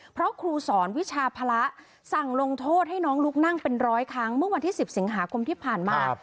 เพราะครูสอนวิชาภาระสั่งลงโทษให้น้องลุกนั่งเป็นร้อยครั้งเมื่อวันที่๑๐สิงหาคมที่ผ่านมา